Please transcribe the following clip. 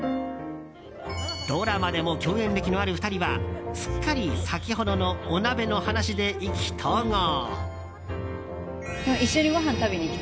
ドラマでも共演歴のある２人はすっかり先ほどのお鍋の話で意気投合。